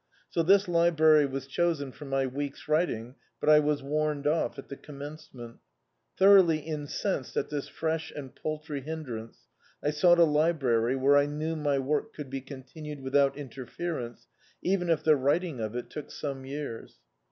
So, this library was chosen for my week's writing but I was warned off at the oxnmencement. Thoroughly incensed at this fresh and paltry hindrance, I sought a library where I knew my work could be continued without inter ference, even if the writing of it took some years.